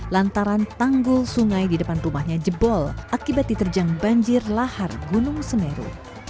lantaran tanggul sungai di depan rumahnya jebol akibat diterjang banjir lahar gunung semeru